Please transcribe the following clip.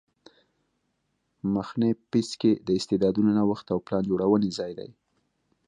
مخنی پیڅکی د استعدادونو نوښت او پلان جوړونې ځای دی